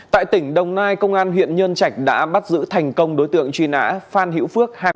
tại tỉnh đồng nai công an huyện nhân trạch đã bắt giữ thành công đối tượng truy nã phan hữu phước